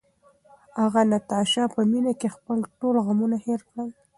هغه د ناتاشا په مینه کې خپل ټول غمونه هېر کړل.